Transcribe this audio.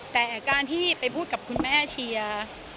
แต่การที่ไปพูดกับคุณแม่เชียร์